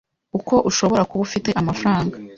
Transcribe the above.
uko ushobora kuba ufite amafaranga